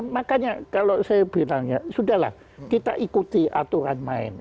makanya kalau saya bilang ya sudah lah kita ikuti aturan main